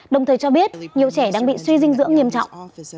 đồng thời cho biết nhiều trẻ đang bị suy dinh dưỡng nghiêm trọng